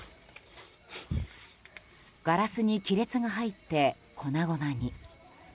ガラスに亀裂が入って粉々に。